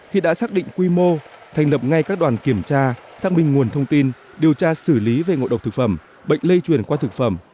khi đã xác định quy mô thành lập ngay các đoàn kiểm tra xác minh nguồn thông tin điều tra xử lý về ngộ độc thực phẩm bệnh lây truyền qua thực phẩm